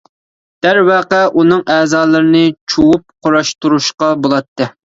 دەرۋەقە، ئۇنىڭ ئەزالىرىنى چۇۋۇپ قۇراشتۇرۇشقا بولاتتى.